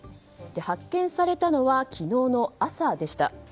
発見されたのは昨日の朝でした。